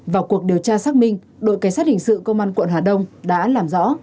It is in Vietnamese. vào cuộc điều tra xác minh đội cảnh sát hình sự công an quận hà đông đã làm rõ